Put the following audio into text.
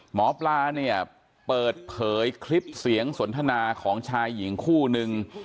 หมอปลาเนี่ยเปิดเผยคลิปเสียงสนทนาของชายหญิงคู่นึง